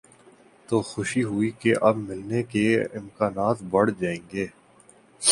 تو خوشی ہوئی کہ اب ملنے کے امکانات بڑھ جائیں گے۔